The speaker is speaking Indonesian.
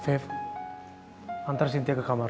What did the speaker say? feb antar si tia ke kamarnya